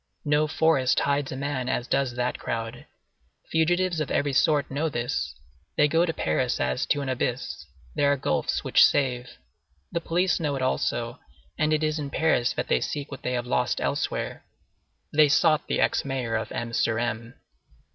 No forest hides a man as does that crowd. Fugitives of every sort know this. They go to Paris as to an abyss; there are gulfs which save. The police know it also, and it is in Paris that they seek what they have lost elsewhere. They sought the ex mayor of M. sur M.